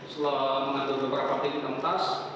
setelah mengambil beberapa detik di dalam tas